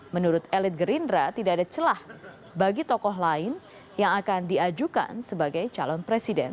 menurut elit gerindra tidak ada celah bagi tokoh lain yang akan diajukan sebagai calon presiden